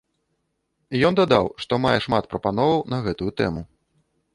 Ён дадаў, што мае шмат прапановаў на гэтую тэму.